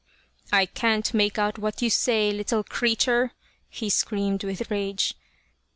" I can't make out what you say, little creature," he screamed with rage.